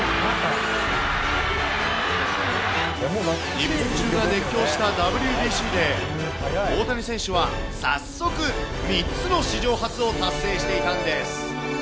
日本中が熱狂したＷＢＣで、大谷選手は早速、３つの史上初を達成していたんです。